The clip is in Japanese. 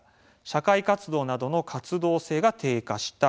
社会活動などの活動性が低下した。